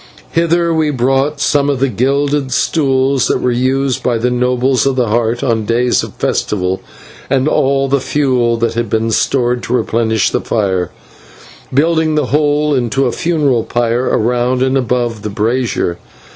Hither we brought some of the gilded stools that were used by the nobles of the Heart on days of festival, and all the fuel that had been stored to replenish the fire, building the whole into a funeral pyre around and above the brazier.